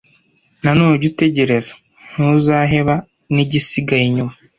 nanone ujye utegereza, ntuzaheba n'igisigaye inyuma!